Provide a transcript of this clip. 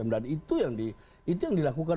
dan itu yang dilakukan